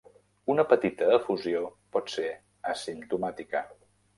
Una petita efusió pot ser asimptomàtica.